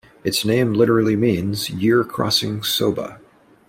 Its name literally means year-crossing soba.